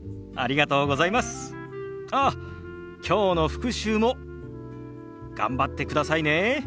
ああ今日の復習も頑張ってくださいね。